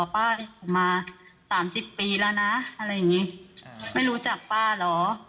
ป้ามา๓๐ปีแล้วนะอะไรอย่างนี้ไม่รู้จักป้าเหรอ